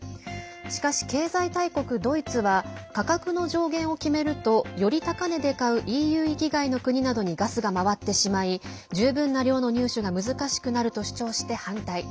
しかし、経済大国ドイツは価格の上限を決めるとより高値で買うＥＵ域外の国などにガスが回ってしまい十分な量の入手が難しくなると主張して反対。